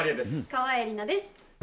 川栄李奈です。